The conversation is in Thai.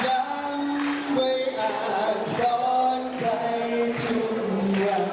ยังไปอ่านสอนใจทุกวัน